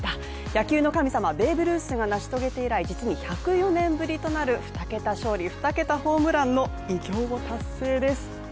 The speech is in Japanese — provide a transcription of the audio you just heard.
野球の神様、ベーブ・ルースが成し遂げて以来、実に１０４年ぶりとなる２桁勝利・２桁ホームランの偉業を達成です。